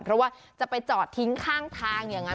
เพราะว่าจะไปจอดทิ้งข้างทางอย่างนั้น